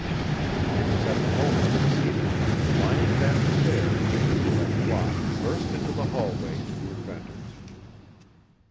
It was at the moment that Zita came flying down stairs that Locke burst into the hallway to the inventor's.